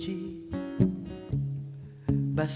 kami akan mencoba